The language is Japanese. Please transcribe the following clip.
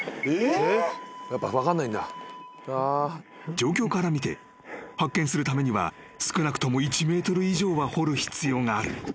［状況からみて発見するためには少なくとも１ｍ以上は掘る必要がある］